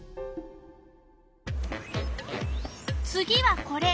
次はこれ。